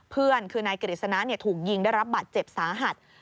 เพื่อนคือนายกฤษณะถูกยิงได้รับบาดเจ็บสาหัส